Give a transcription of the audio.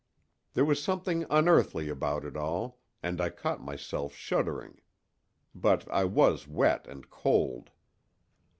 There was something unearthly about it all, and I caught myself shuddering. But I was wet and cold.